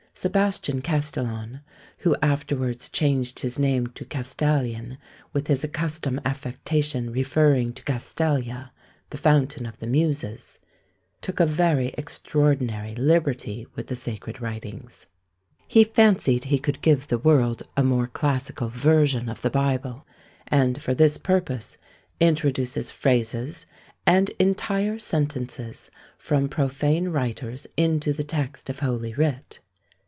Sebastian Castillon who afterwards changed his name to Castalion, with his accustomed affectation referring to Castalia, the fountain of the Muses took a very extraordinary liberty with the sacred writings. He fancied he could give the world a more classical version of the Bible, and for this purpose introduces phrases and entire sentences from profane writers into the text of holy writ.